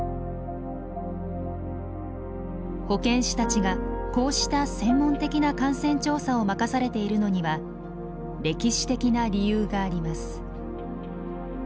保健師たちがこうした専門的な感染調査を任されているのには歴史的な理由があります。